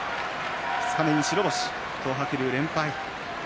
二日目に白星、東白龍は連敗。